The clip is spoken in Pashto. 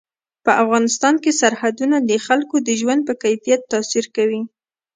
په افغانستان کې سرحدونه د خلکو د ژوند په کیفیت تاثیر کوي.